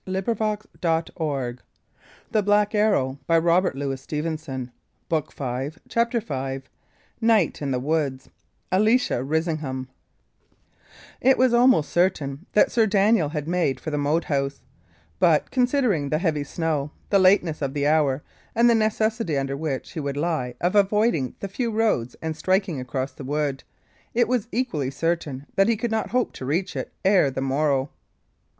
I saw him once in the battle, and once only. Let us hope the best." CHAPTER V NIGHT IN THE WOODS: ALICIA RISINGHAM It was almost certain that Sir Daniel had made for the Moat House; but, considering the heavy snow, the lateness of the hour, and the necessity under which he would lie of avoiding the few roads and striking across the wood, it was equally certain that he could not hope to reach it ere the morrow.